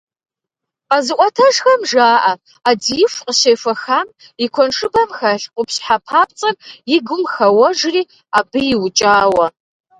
Къэзыӏуэтэжхэм жаӏэ, ӏэдииху къыщехуэхам и куэншыбэм хэлъ къупщхьэ папцӏэр и гум хэуэжри, абы иукӏауэ.